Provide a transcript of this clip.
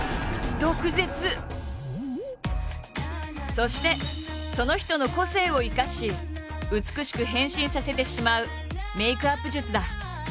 そしてその人の個性を生かし美しく変身させてしまうメイクアップ術だ。